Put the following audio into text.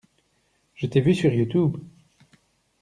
Je t'ai vu sur Youtube!